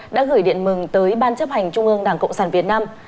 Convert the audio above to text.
đã gửi điện mừng tới ban chấp hành trung ương đảng cộng sản việt nam